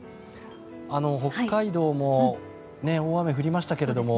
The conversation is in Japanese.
北海道も大雨降りましたけれども